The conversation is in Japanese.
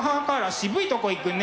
渋いとこいくね。